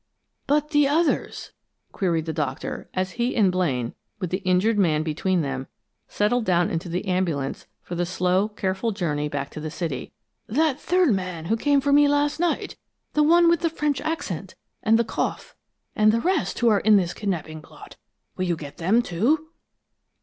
"But the others " queried the Doctor, as he and Blaine, with the injured man between them, settled down in the ambulance for the slow, careful journey back to the city. "That third man who came for me last night the one with the French accent and the cough and the rest who are in this kidnaping plot? Will you get them, too?"